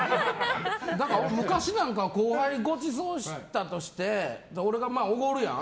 昔なんか後輩ごちそうしたとして俺がおごるやん。